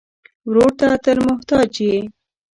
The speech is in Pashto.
ورور ته تل محتاج یې.